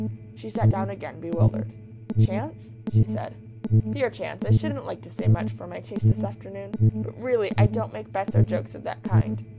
She sat down again, bewildered. "Chance?" she said. "Pure chance. I shouldn't like to say much for my taste this afternoon, but really I don't make bets or jokes of that kind.